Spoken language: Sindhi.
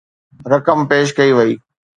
رقم پيش ڪئي وئي.